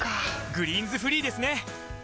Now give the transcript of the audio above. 「グリーンズフリー」ですね！